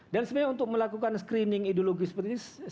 dan sebenarnya untuk melakukan screening ideologi seperti ini